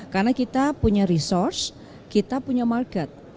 karena kita punya resource kita punya market